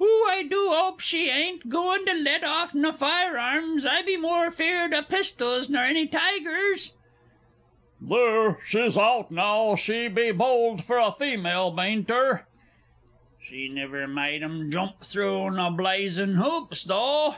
Oh, I do 'ope she bain't gooin' to let off naw fire arms, I be moor fear'd o' pistols nor any tigers.... Theer, she's out now! She be bold fur a female, bain't her?... She niver maade 'em joomp through naw bla azin' 'oops, though....